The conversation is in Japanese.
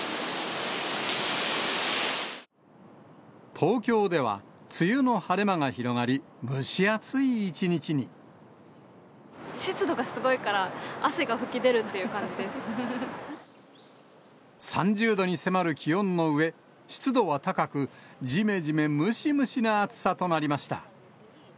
東京では、梅雨の晴れ間が広がり、湿度がすごいから、３０度に迫る気温のうえ、湿度は高く、じめじめ、ムシムシな暑さとなりました。